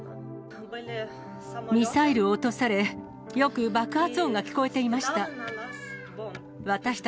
ミサイルを落とされ、よく爆発音が聞こえていました。